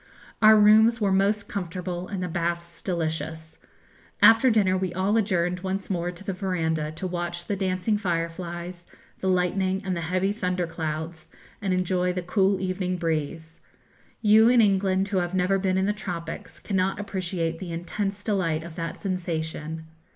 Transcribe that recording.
Our rooms were most comfortable, and the baths delicious. After dinner we all adjourned once more to the verandah to watch the dancing fireflies, the lightning, and the heavy thunderclouds, and enjoy the cool evening breeze. You in England who have never been in the tropics cannot appreciate the intense delight of that sensation.